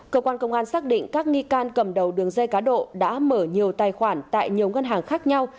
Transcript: cơ quan công an xác định các nghi can cầm đầu đường dây cá độ đã mở nhiều tài khoản tại nhiều ngân hàng khác nhau